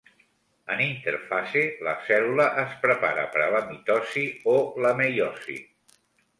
En interfase, la cèl·lula es prepara per a la mitosi o la meiosi.